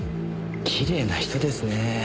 きれいな人ですね。